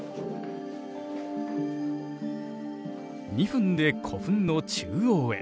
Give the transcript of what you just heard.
２分で古墳の中央へ。